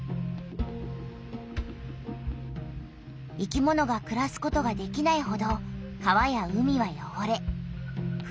生きものがくらすことができないほど川や海はよごれふ